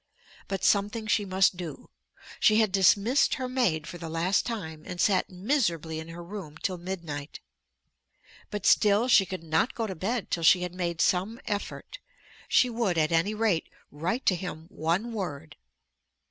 But something she must do. She had dismissed her maid for the last time, and sat miserably in her room till midnight. But still she could not go to bed till she had made some effort. She would at any rate write to him one word.